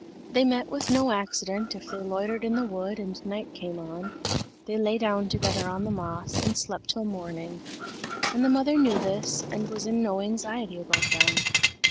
They met with no accident if they loitered in the wood and right came on; they lay down together on the moss, and slept till morning; and the mother knew this, and was in no anxiety about them.